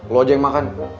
lo aja yang makan